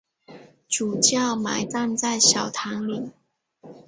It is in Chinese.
主教埋葬在小堂里。